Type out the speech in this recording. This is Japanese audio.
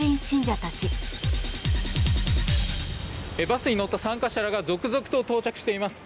バスに乗った参加者らが続々と到着しています。